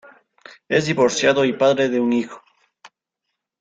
Es divorciado y padre de un hijo.